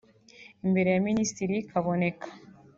Imbere ya Minisitiri Kaboneka